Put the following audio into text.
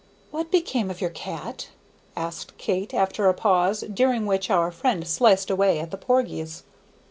"What became of your cat?" asked Kate, after a pause, during which our friend sliced away at the porgies.